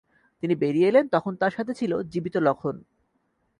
তিনি বেরিয়ে এলেন, তখন তাঁর সাথে ছিল জীবিত লখন।